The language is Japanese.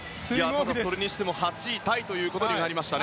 それにしても８位タイとなりましたね。